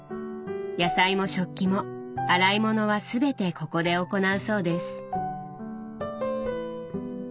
野菜も食器も洗い物はすべてここで行うそうです。